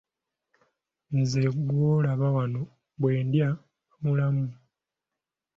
Nze gw’olaba wano bwe ndya mba mulamu.